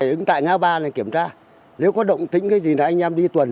đứng tại ngã ba này kiểm tra nếu có động tĩnh cái gì là anh em đi tuần